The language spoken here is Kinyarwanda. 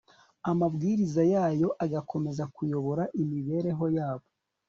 amabwiriza yayo agakomeza kuyobora imibereho yabo